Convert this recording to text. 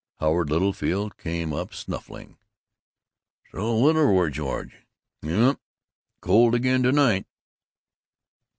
Howard Littlefield came up snuffling. "Still a widower, George?" "Yump. Cold again to night."